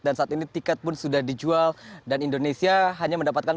dan saat ini tiket pun sudah dijual dan indonesia hanya mendapatkan